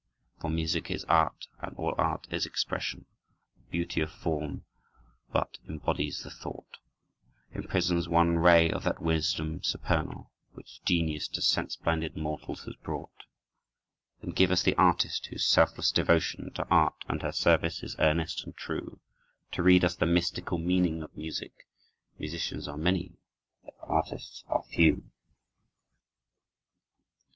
For music is Art, and all Art is expression, The "beauty of form" but embodies the thought, Imprisons one ray of that wisdom supernal Which Genius to sense blinded mortals has brought. Then give us the artist whose selfless devotion To Art and her service is earnest and true, To read us the mystical meaning of music; Musicians are many, but artists are few.